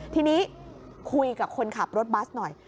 ทีนี้คุยกับคนขับรถบัสหน่อย